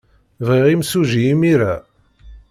Bɣiɣ imsujji imir-a!